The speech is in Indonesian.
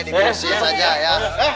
di kursi saja ya